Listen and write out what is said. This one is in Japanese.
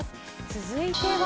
続いては。